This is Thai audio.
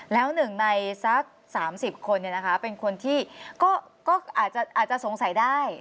แล้วหนึ่งในสัก๓๐คนเป็นคนที่ก็อาจจะสงสัยได้